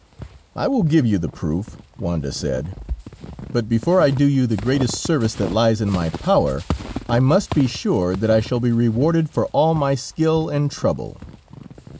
"I will give you the proof," Wanda said, "but before I do you the greatest service that lies in my power, I must be sure that I shall be rewarded for all my skill and trouble."